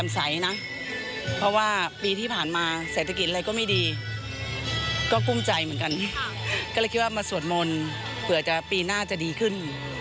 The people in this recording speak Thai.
สวดมนตร์เผื่อปีหน้าจะดีขึ้น